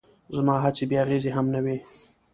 زما هڅې بې اغېزې هم نه وې.